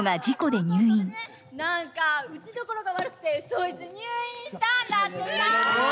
何か打ちどころが悪くてそいつ入院したんだってさ。